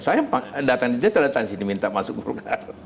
saya datang dia tidak datang sini minta masuk ke golkar